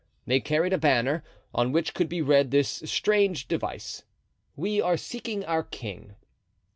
They carried a banner, on which could be read this strange device: "We are seeking our king."